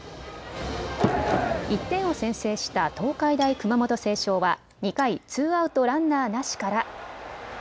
１点を先制した東海大熊本星翔は２回、ツーアウトランナーなしから。